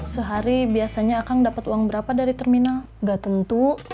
sehari biasanya akang dapat uang berapa dari terminal nggak tentu